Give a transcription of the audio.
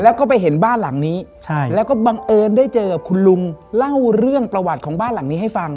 แล้วก็ไปเห็นบ้านหลังนี้ใช่แล้วก็บังเอิญได้เจอกับคุณลุงเล่าเรื่องประวัติของบ้านหลังนี้ให้ฟัง